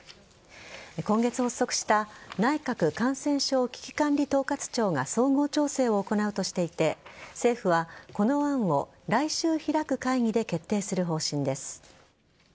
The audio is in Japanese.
今月発足した内閣感染症危機管理統括庁が総合調整を行うとしていて政府はこの案を来週開く会議で決定する方針です。